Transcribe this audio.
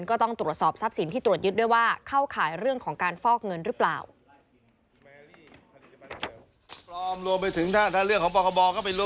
ก็ต้องตรวจสอบทรัพย์สินที่ตรวจยึดด้วยว่าเข้าข่ายเรื่องของการฟอกเงินหรือเปล่า